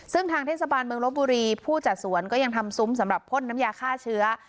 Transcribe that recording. ซึ่งทางเทศบาลเมืองลบบุรีผู้จัดสวนก็ยังทำซุ้มสำหรับพ่นน้ำยาฆ่าเชื้อ